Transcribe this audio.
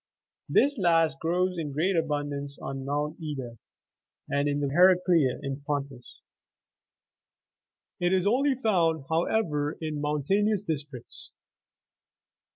This last kind grows in great abundance on Mount Ida and in the vicinity of Heraclea in Pontus : it is only found, however, in mountainous districts.